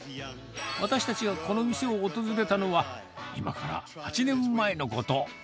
私たちがこの店を訪れたのは、今から８年前のこと。